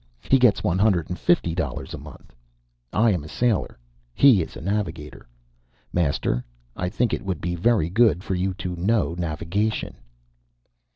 He gets one hundred and fifty dollars a month. I am a sailor. He is a navigator. Master, I think it would be very good for you to know navigation."